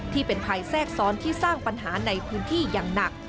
ที่เป็นภัยแทรกซ้อนที่สร้างปัญหาในพื้นที่อย่างหนัก